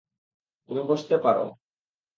তুমি বসতে পারো!